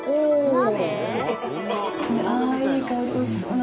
鍋？